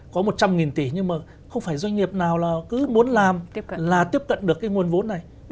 có một trăm linh tỷ nhưng mà không phải doanh nghiệp nào là cứ muốn làm là tiếp cận được cái nguồn vốn này